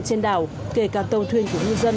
trên đảo kể cả tàu thuyền của nhân dân